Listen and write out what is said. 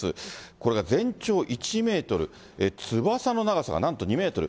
これが全長１メートル、翼の長さがなんと２メートル。